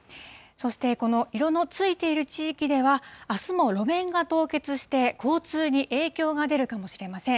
そして、この色のついている地域では、あすも路面が凍結して、交通に影響が出るかもしれません。